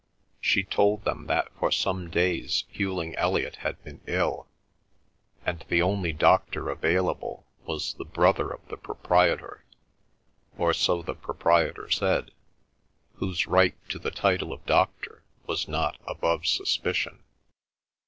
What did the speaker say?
She told them that for some days Hughling Elliot had been ill, and the only doctor available was the brother of the proprietor, or so the proprietor said, whose right to the title of doctor was not above suspicion.